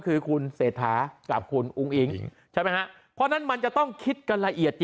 คือคุณเศรษฐากับคุณอุ้งอิ๊งใช่ไหมฮะเพราะฉะนั้นมันจะต้องคิดกันละเอียด